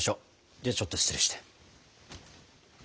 ではちょっと失礼して。